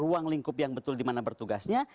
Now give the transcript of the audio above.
ruang lingkup yang betul dimana bertugasnya